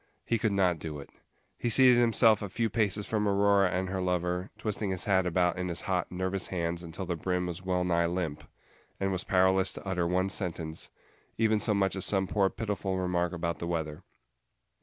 He could not do it. He seated himself a few paces from Aurora and her lover, twisting his hat about in his hot, nervous hands until the brim was wellnigh limp, and was powerless to utter one sentence, even so much as some poor pitiful remark about the weather.